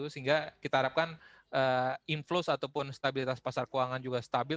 sehingga kita harapkan inflow ataupun stabilitas pasar keuangan juga stabil